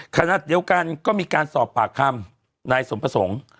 ขณะเดียวกันก็มีการสอบปากคำนายสมประสงค์